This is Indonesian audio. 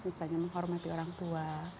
misalnya menghormati orang tua